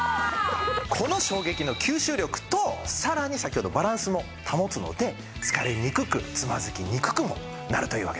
この衝撃の吸収力とさらに先ほどのバランスも保つので疲れにくくつまずきにくくもなるというわけなんですね。